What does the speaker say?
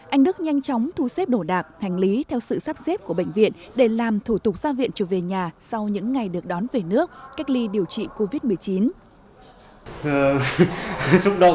anh đức nhanh chóng thu xếp đổ đạc hành lý theo sự sắp xếp của bệnh viện để làm thủ tục ra viện trở về nhà sau những ngày được đón về nước cách ly điều trị covid một mươi chín